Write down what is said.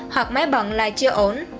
hoặc máy bận là chưa ổn